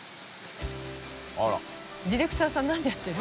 △蕁ディレクターさん何でやってる？